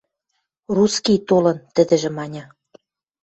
– Русский толын... – тӹдӹжӹ маньы.